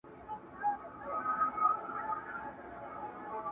نور به بیا په ګران افغانستان کي سره ګورو,